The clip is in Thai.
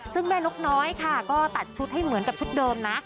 ซึ่งแม่นกน้อยค่ะก็ตัดชุดให้เหมือนกับชุดเดิมนะ